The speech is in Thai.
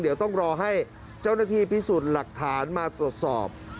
เดี๋ยวต้องรอให้เจ้าหน้าที่พิสูจน์หลักฐานมาตรวจสอบ